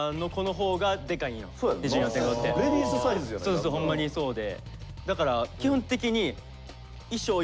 そうそうほんまにそうで。